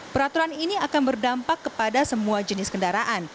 peraturan ini akan berdampak kepada semua jenis kendaraan